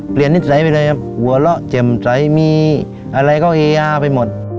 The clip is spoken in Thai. เปลี่ยนนิดใสไปเลยครับหัวเราะเจ็มใสมีอะไรก็เอาไปหมด